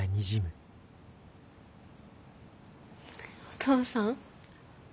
お父さん？